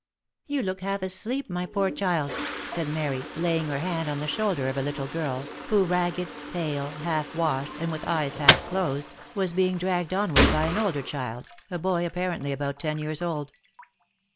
" You look half asleep my poor child !" said Mary, laying her hand on the shoulder of a little girl, who ragged, pale, half washed, and with eyes half closed, was being dragged onward by an older child, a boy, apparently about ten years old.